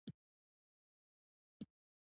د معلم سمیع ښځه له کابل څخه زموږ ښار ته راغله.